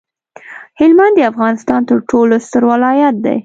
هلمند د افغانستان ترټولو ستر ولایت دی